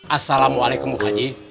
assalamualaikum bu haji